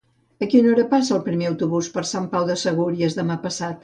A quina hora passa el primer autobús per Sant Pau de Segúries demà passat?